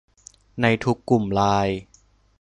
ในทุกกลุ่มไลน์